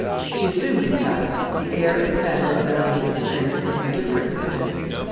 She assumed, in fact, the air and manner of an unconcerned and indifferent witness.